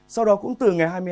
sau đó cũng từ ngày hai mươi hai